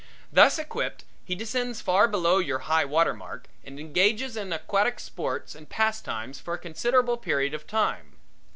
Thus equipped, he descends far below your high water mark and engages in aquatic sports and pastimes for a considerable period of time.